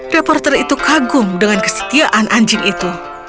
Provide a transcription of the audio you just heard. reporter itu kagum dengan kesetiaan anjing itu